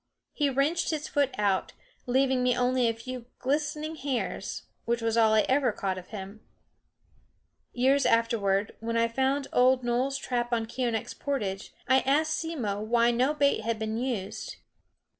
He wrenched his foot out of it, leaving me only a few glistening hairs which was all I ever caught of him. Years afterward, when I found old Noel's trap on Keeonekh's portage, I asked Simmo why no bait had been used.